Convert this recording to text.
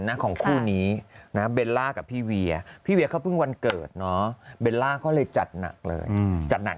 น่ะของกลุ่นนี้นะเบลล่ากับพี่เวียยเพิ่งวรรณเกิดเนาะก็เลยจัดหนักเลยจัดหนัก